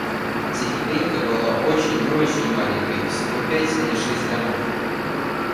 Деревенька была очень и очень маленькой, всего пять или шесть домов.